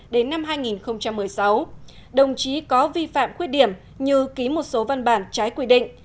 đồng chí có vi phạm khuyết điểm như ký một số văn bản trái quy định